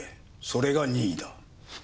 それが任意だ。